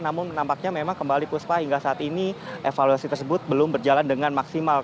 namun nampaknya memang kembali puspa hingga saat ini evaluasi tersebut belum berjalan dengan maksimal